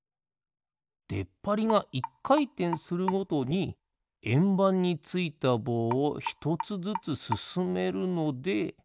でっぱりが１かいてんするごとにえんばんについたぼうをひとつずつすすめるので。